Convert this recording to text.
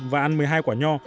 và ăn một mươi hai quả nho